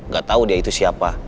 gak tahu dia itu siapa